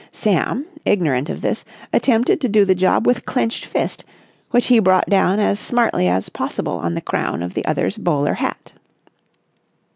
Sam, ignorant of this, attempted to do the job with clenched fist, which he brought down as smartly as possible on the crown of the other's bowler hat.